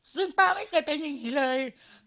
ซึ่งป้าไม่เคยเป็นอย่างนี้เลย